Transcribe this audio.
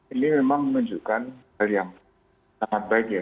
ini memang menunjukkan hal yang sangat baik ya